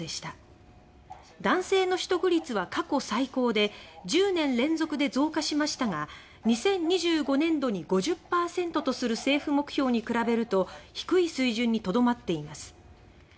男性の取得率は過去最高で１０年連続で増加しましたが２０２５年度に５０％とする政府目標に比べると低い水準にとどまっています。